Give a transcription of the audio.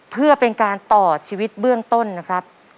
เพื่อเป็นการต่อชีวิตเบื้องต้นนะครับ